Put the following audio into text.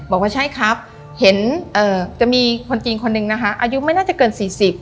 บอกว่าใช่ครับเห็นจะมีคนจีนคนหนึ่งนะคะอายุไม่น่าจะเกิน๔๐